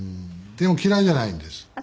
でも嫌いじゃないんです。